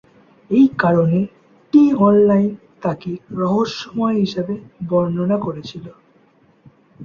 এই কারণে, "টি-অনলাইন" তাকে "রহস্যময়" হিসাবে বর্ণনা করেছিল।